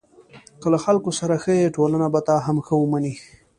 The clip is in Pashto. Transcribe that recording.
که له خلکو سره ښه یې، ټولنه به تا هم ښه ومني.